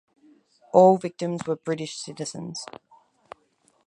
All victims were British citizens.